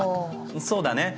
そうだね。